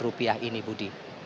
rupiah ini budi